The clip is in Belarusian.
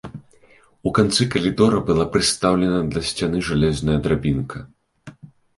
У канцы калідора была прыстаўлена да сцяны жалезная драбінка.